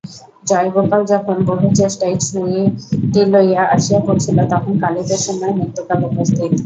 জয়গোপাল যখন বহু চেষ্টায় ছুটি লইয়া আসিয়া পৌঁছিল তখন কালীপ্রসন্নের মৃত্যুকাল উপস্থিত।